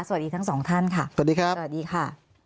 สวัสดีทั้งสองท่านค่ะสวัสดีครับสวัสดีค่ะ